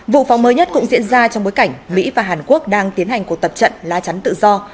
vụ phóng mới nhất cũng diễn ra trong bối cảnh mỹ và hàn quốc đang tiến hành cuộc tập trận lá chắn tự do